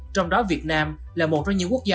trong đó việt nam là một trong những quốc gia